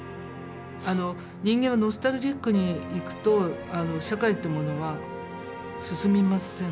あの人間はノスタルジックにいくと社会ってものは進みません。